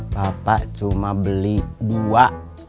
bapak cuma beli dua